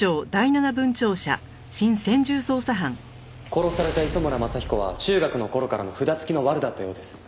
殺された磯村正彦は中学の頃からの札付きのワルだったようです。